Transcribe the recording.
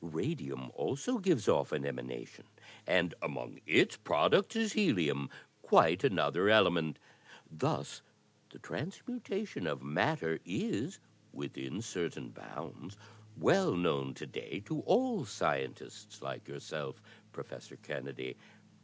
Radium also gives off an emanation, and among its products is helitmi, quite another ele ment. Thus the transmutation of matter is, within certain bounds, well known to day to all scientists like yourself, Professor Kennedy.